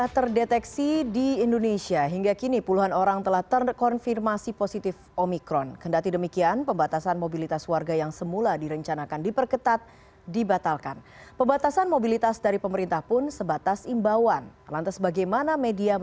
terisolir lah di tempat tempat isolasi